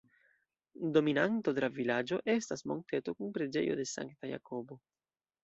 Dominanto de la vilaĝo estas monteto kun preĝejo de Sankta Jakobo.